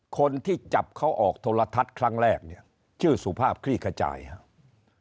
คนที่จับเขาออกโทรทัศน์ครั้งแรกเนี่ยชื่อสุภาพคลี่ขจายครับ